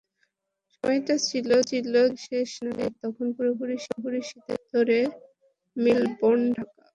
সময়টা ছিল জুলাইয়ের শেষ নাগাদ, তখন পুরোপুরি শীতের চাঁদরে মেলবোর্ন ঢাকা।